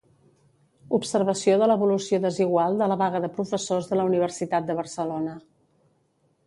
Observació de l'evolució desigual de la vaga de professors de la Universitat de Barcelona.